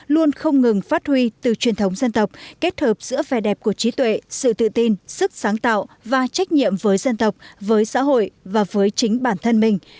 luôn không ngừng phát huy từ truyền thống dân tộc kết hợp giữa vẻ đẹp của trí tuệ sự tự tin sức sáng tạo và trách nhiệm với dân tộc với xã hội và với chính bản thân mình